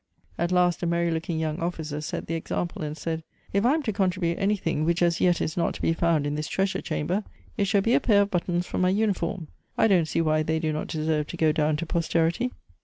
At last, a merry looking young officer set the example, and said, " If Elective AmiriTiES. 77 I am to contribute anything which as yet is not to be found in this treasure chamber, it shall be a pair of buttons fi'om my uniform — I don't see why they do not deserve to go down to posterity